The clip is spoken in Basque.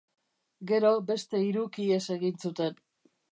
Gero, beste hiruk ihes egin zuten.